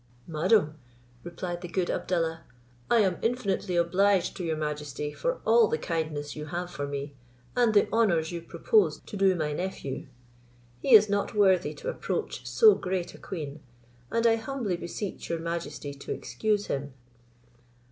"Madam," replied the good Abdallah, "I am infinitely obliged to your majesty for all the kind ness you have for me, and the honours you propose to do my nephew. He is not worthy to approach so great a queen, and I humbly beseech your majesty to excuse him."